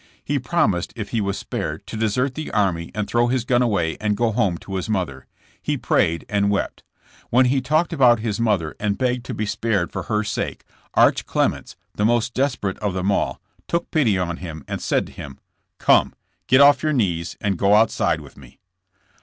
He promised, if he was spared, to desert the army and throw his gun away and go home to his mother. He prayed and wept. When he talked about his mother, and begged 44 JKSSB JAMKS. to be spared for her sake, Arch Clements, the most desperate of them all, took pity on him and said to him: *'Come, get up off your knees and go outside with me."